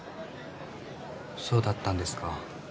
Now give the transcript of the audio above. そうだったんですか。